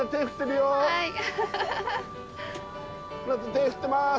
手振ってます。